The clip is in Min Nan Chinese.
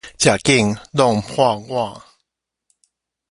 食緊挵破碗